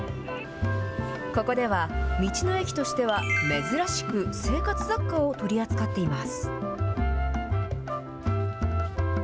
ここでは、道の駅としては珍しく、生活雑貨を取り扱っています。